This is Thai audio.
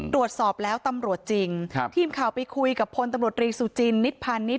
ตรวจสอบแล้วตำรวจจริงครับทีมข่าวไปคุยกับพลตำรวจรีสุจินนิดพาณิช